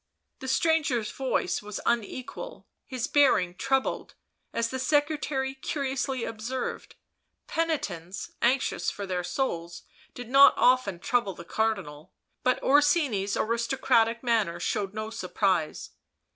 The stranger's voice was unequal, his bearing troubled, as the secretary curiously observed; penitents anxious for their souls did not often trouble the Cardinal, but Orsini's aristocratic manner showed no surprise.